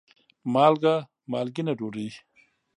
مالګه : مالګېنه ډوډۍ